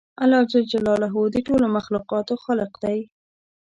الله جل جلاله د ټولو مخلوقاتو خالق دی